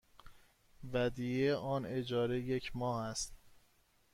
ودیعه آن اجاره یک ماه است.